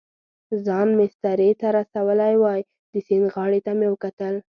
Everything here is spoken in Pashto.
ځان مېسترې ته رسولی وای، د سیند غاړې ته مې وکتل.